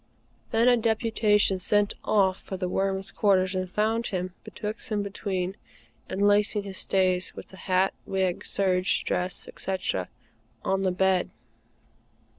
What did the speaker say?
Then a deputation set off for The Worm's quarters and found him, betwixt and between, unlacing his stays, with the hat, wig, serge dress, etc., on the bed.